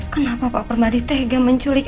kenapa pak permadi tega menculik